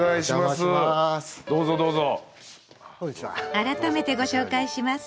改めてご紹介します。